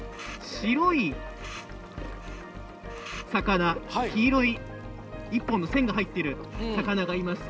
白い魚、黄色い１本の線が入っている魚がいます。